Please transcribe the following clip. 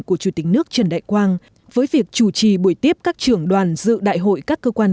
của chủ tịch nước trần đại quang với việc chủ trì buổi tiếp các trưởng đoàn dự đại hội các cơ quan